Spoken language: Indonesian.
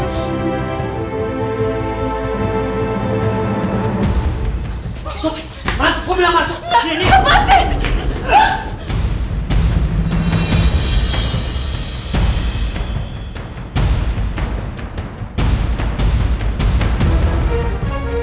terima kasih banyak banyak